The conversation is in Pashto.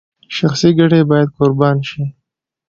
شخصي ګټې باید قربان شي.